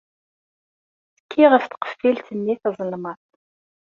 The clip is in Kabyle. Tekki ɣef tqeffilt-nni tazelmaḍt!